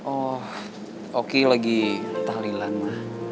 oh oki lagi entah lilan ma